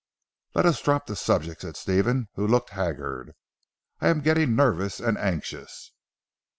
"Let us drop the subject," said Stephen who looked haggard, "I am getting nervous and anxious."